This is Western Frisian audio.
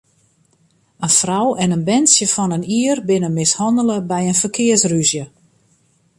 In frou en in berntsje fan in jier binne mishannele by in ferkearsrûzje.